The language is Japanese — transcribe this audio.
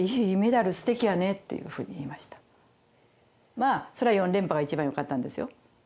まあそれは４連覇が一番良かったんですよ。